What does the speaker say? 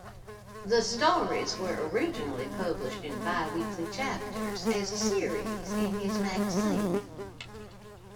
The stories were originally published in biweekly chapters as a series in his "Magasin".